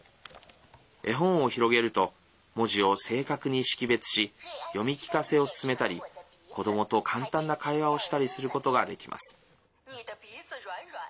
絵本を広げると文字を正確に識別し読み聞かせを進めたり子どもと簡単な会話をしたりすることができます。